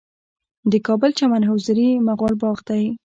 د کابل چمن حضوري مغل باغ دی